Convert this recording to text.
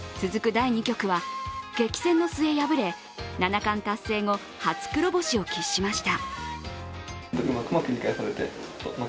第２局は激戦の末、敗れ七冠達成後、初黒星を喫しました。